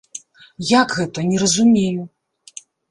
Як гэта, не разумею.